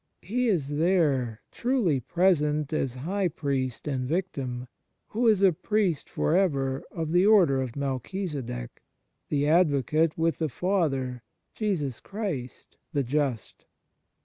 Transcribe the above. He is there truly present as High Priest and Victim, who is a Priest for ever of the Order of Melchisedech : the Advocate with the Father, Jesus Christ the just.